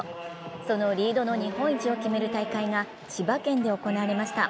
そのリードの日本一を決める大会が千葉県で行われました。